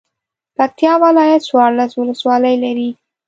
پکتیا ولایت څوارلس ولسوالۍ لري.